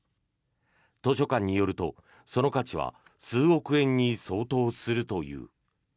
図書館によると、その価値は数億円に相当するという。